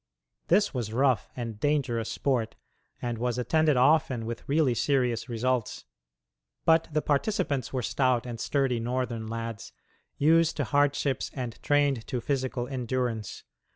This was rough and dangerous sport, and was attended often with really serious results. But the participants were stout and sturdy Northern lads, used to hardships and trained to physical endurance.